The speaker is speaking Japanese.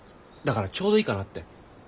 だからちょうどいいかなって。